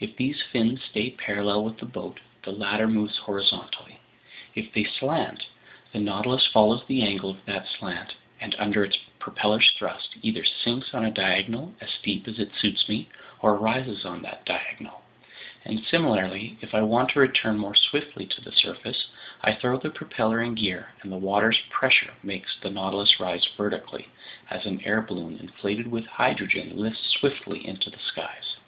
If these fins stay parallel with the boat, the latter moves horizontally. If they slant, the Nautilus follows the angle of that slant and, under its propeller's thrust, either sinks on a diagonal as steep as it suits me, or rises on that diagonal. And similarly, if I want to return more swiftly to the surface, I throw the propeller in gear, and the water's pressure makes the Nautilus rise vertically, as an air balloon inflated with hydrogen lifts swiftly into the skies."